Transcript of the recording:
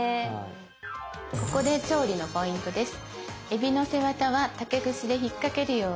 ここで調理のポイントです。